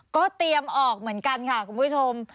ก็เตรียมออกเหมือนกันค่ะคุณผู้ชม